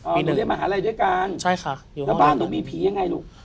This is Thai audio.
หนูเรียนมหาลัยด้วยกันใช่ค่ะแล้วบ้านหนูมีผียังไงลูก